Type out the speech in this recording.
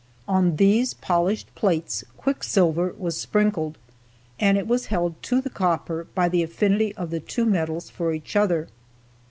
On these polished plates, quicksilver was sprinkled and it was held to the copper by the affinity of the two metals for each other.